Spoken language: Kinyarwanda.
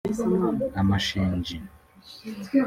Amashinji